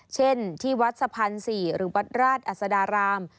เช่นที่วัดสะพาน๔หรือวัดราชอัศดาราม